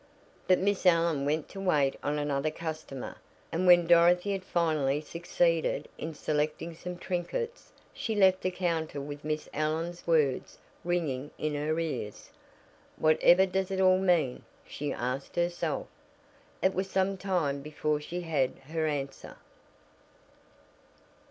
But Miss Allen went to wait on another customer, and when Dorothy had finally succeeded in selecting some trinkets she left the counter with Miss Allen's words ringing in her ears. "Whatever does it all mean?" she asked herself. It was some time before she had her answer.